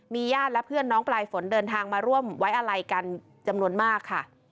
ญาติและเพื่อนน้องปลายฝนเดินทางมาร่วมไว้อะไรกันจำนวนมากค่ะ